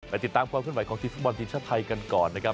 ติดตามความขึ้นไหวของทีมฟุตบอลทีมชาติไทยกันก่อนนะครับ